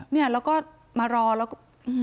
เนี่ยโลก็มารอเภาะ